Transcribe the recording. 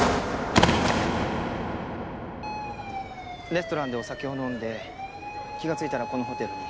レストランでお酒を飲んで気が付いたらこのホテルに？